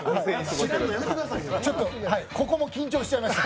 ちょっと、ここも緊張しちゃいました。